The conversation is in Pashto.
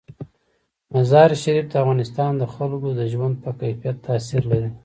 مزارشریف د افغانستان د خلکو د ژوند په کیفیت تاثیر لري.